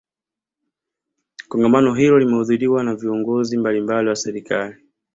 kongamano hilo limehudhuriwa na viongozi mbalimbali wa serikali